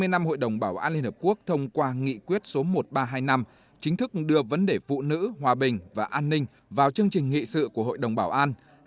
hai mươi năm hội đồng bảo an liên hợp quốc thông qua nghị quyết số một nghìn ba trăm hai mươi năm chính thức đưa vấn đề phụ nữ hòa bình và an ninh vào chương trình nghị sự của hội đồng bảo an